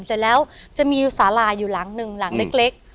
เสร็จแล้วจะมีสาลาอยู่หลังหนึ่งหลังเล็ก